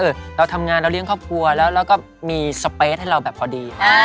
คือเราทำงานเราเลี้ยงครอบครัวแล้วเราก็มีสเปสให้เราแบบพอดี